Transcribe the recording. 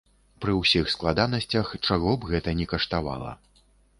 Пры ўсіх складанасцях, чаго б гэта ні каштавала.